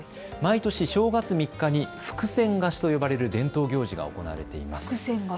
毎年正月３日に福銭貸しと呼ばれる伝統行事が行われています。